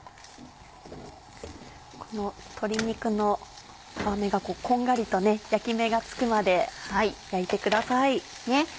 この鶏肉の皮目がこんがりと焼き目がつくまで焼いてください。